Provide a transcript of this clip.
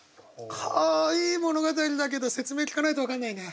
はあいい物語だけど説明聞かないと分かんないな。